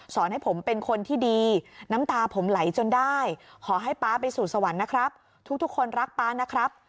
ให้ผมเป็นคนที่ดีน้ำตาผมไหลจนได้ขอให้ป๊าไปสู่สวรรค์นะครับทุกคนรักป๊านะครับ